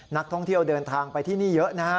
นักท่องเที่ยวเดินทางไปที่นี่เยอะนะฮะ